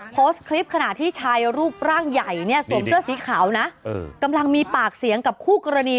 โพสต์คลิปขณะที่ชายรูปร่างใหญ่เนี่ยสวมเสื้อสีขาวนะกำลังมีปากเสียงกับคู่กรณี